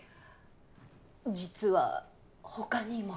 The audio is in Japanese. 実は他にも。